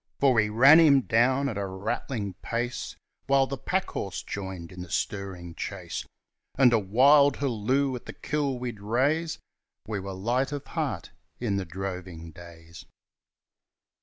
For we ran him down at a rattling pace, While the packhorse joined in the stirring chase. And a wild halloo at the kill we'd raise We were light of heart in the droving days.